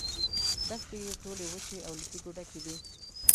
دښتې یې ټولې وچې او له تیږو ډکې دي.